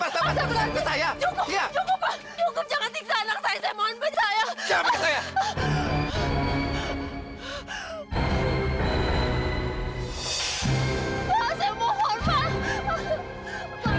satu hal yang ingin saya tahu